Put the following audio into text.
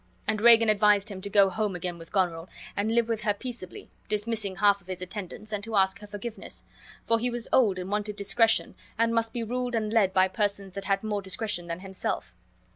And Regan advised him to go home again with Goneril, and live with her peaceably, dismissing half of his attendants, and to ask her forgiveness; for he was old and wanted discretion, and must be ruled and led by persons that had more discretion than himself.